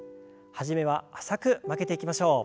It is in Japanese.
初めは浅く曲げていきましょう。